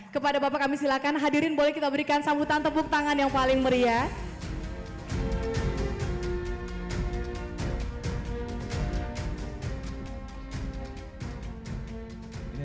kepada bapak kami silakan hadirin boleh kita berikan sambutan tepuk tangan yang paling meriah